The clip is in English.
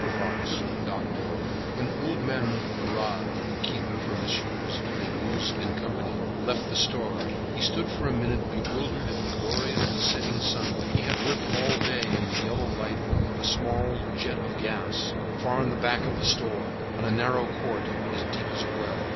A STROLL When Old Man Leras, bookkeeper for Messieurs Labuze and Company, left the store, he stood for a minute bewildered at the glory of the setting sun. He had worked all day in the yellow light of a small jet of gas, far in the back of the store, on a narrow court, as deep as a well.